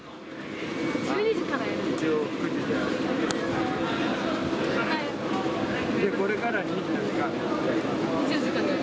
１２時からやる？